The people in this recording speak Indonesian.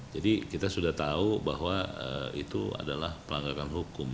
jadi kita sudah tahu bahwa itu adalah pelanggaran hukum